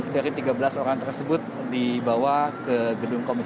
sepuluh dari tiga belas orang tersebut dibawa ke kedua dua pusat